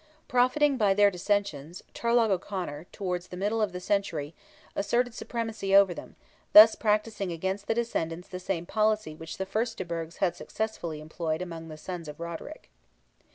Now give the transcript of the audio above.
Profiting by their dissensions, Turlogh O'Conor, towards the middle of the century, asserted supremacy over them, thus practising against the descendants the same policy which the first de Burghs had successfully employed among the sons of Roderick.